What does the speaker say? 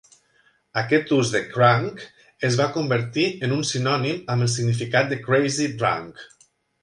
Aquest ús de "crunk" es va convertir en un sinònim amb el significat de "crazy drunk".